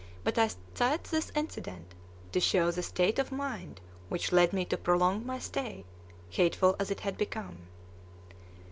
But I cite this incident to show the state of mind which led me to prolong my stay, hateful as it had become.